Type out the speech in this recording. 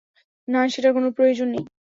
না, সেটার কোন প্রয়োজন নেই।